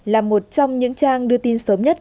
là một trong những trang đưa tin sớm nhất